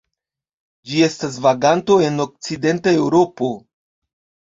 Ĝi estas vaganto en okcidenta Eŭropo.